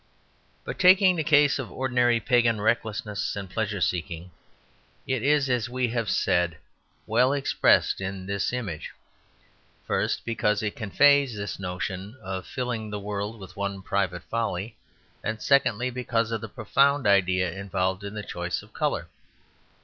But taking the case of ordinary pagan recklessness and pleasure seeking, it is, as we have said, well expressed in this image. First, because it conveys this notion of filling the world with one private folly; and secondly, because of the profound idea involved in the choice of colour.